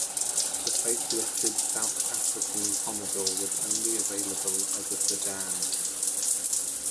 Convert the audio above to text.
The facelifted South African Commodore was only available as a sedan.